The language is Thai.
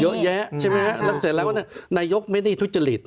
เยอะแยะใช่ไหมฮะแล้วเสร็จแล้วนายกไม่ได้ทุจริต